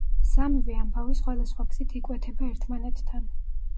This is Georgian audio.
სამივე ამბავი სხვადასხვა გზით იკვეთება ერთმანეთთან.